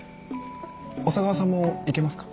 小佐川さんも行けますか？